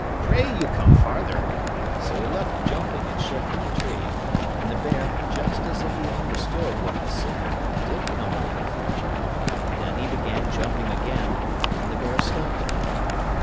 pray you come farther;" so he left jumping and shaking the tree; and the bear, just as if he understood what he said, did come a little farther; then he began jumping again, and the bear stopped again.